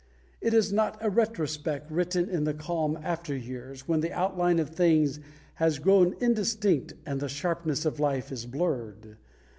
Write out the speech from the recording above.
It is not a retrospect written in the calm after years, when the outline of things has grown indistinct and the sharpness of life is blurred.